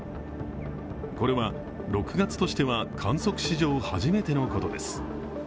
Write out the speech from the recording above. これは６月としては観測史上初めてのことです。